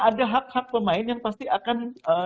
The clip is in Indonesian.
ada hak hak pemain yang pasti akan